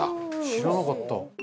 知らなかった。